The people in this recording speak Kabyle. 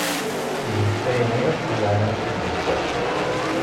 Deg-s ayen yakk yeɛnan tiddukkla.